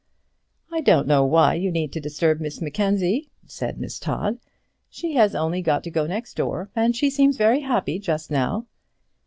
"I don't know why you need disturb Miss Mackenzie," said Miss Todd, "she has only got to go next door, and she seems very happy just now."